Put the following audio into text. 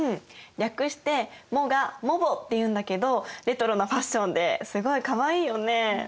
略して「モガ」「モボ」っていうんだけどレトロなファッションですごいかわいいよね。